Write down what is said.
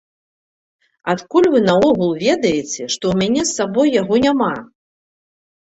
Адкуль вы наогул ведаеце, што ў мяне з сабой яго няма?